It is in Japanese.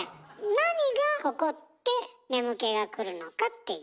なにが起こって眠気がくるのかっていう。